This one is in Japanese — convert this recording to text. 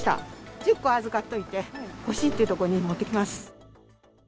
１０個預かっといて、欲しいっていうところに持っていきます。